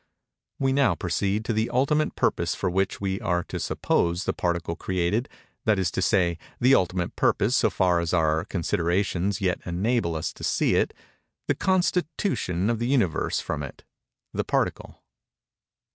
We now proceed to the ultimate purpose for which we are to suppose the Particle created—that is to say, the ultimate purpose so far as our considerations yet enable us to see it—the constitution of the Universe from it, the Particle.